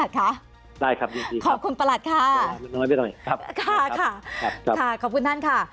ได้ครับยินดีครับมันน้อยไปหน่อยครับยินดีครับขอบคุณประหลัดค่ะ